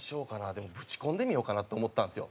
でもぶち込んでみようかなと思ったんですよ。